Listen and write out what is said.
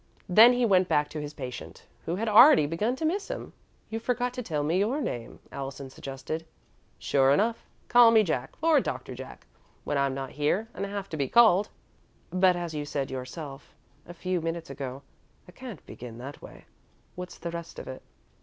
Then he went back to his patient, who had already begun to miss him. "You forgot to tell me your name," Allison suggested. "Sure enough. Call me Jack, or Doctor Jack, when I'm not here and have to be called." "But, as you said yourself a few minutes ago, I can't begin that way. What's the rest of it?"